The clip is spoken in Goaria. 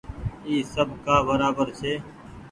اي سب ڪآ برابر ڇي۔